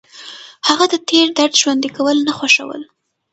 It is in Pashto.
هغه د تېر درد ژوندي کول نه خوښول.